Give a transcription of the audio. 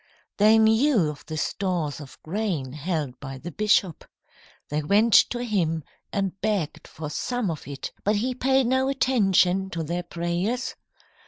"They knew of the stores of grain held by the bishop. They went to him and begged for some of it, but he paid no attention to their prayers.